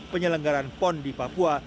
penyelenggaran pon di papua